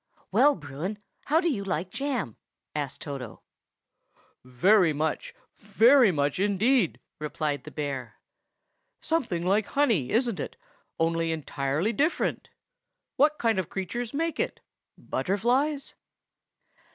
"Well, Bruin, how do you like jam?" asked Toto. "Very much, very much indeed!" replied the bear. "Something like honey, isn't it, only entirely different? What kind of creatures make it? Butterflies?"